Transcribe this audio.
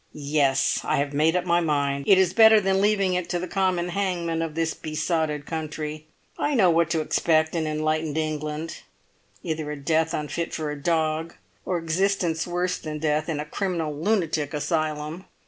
"Yes! I have made up my mind; it is better than leaving it to the common hangman of this besotted country. I know what to expect in enlightened England: either a death unfit for a dog, or existence worse than death in a criminal lunatic asylum.